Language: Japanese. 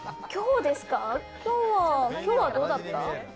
今日はどうだった？